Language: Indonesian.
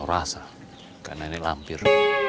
rasa karena ini lampir